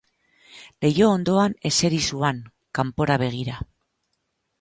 Leiho ondoan eseri zuan, kanpora begira.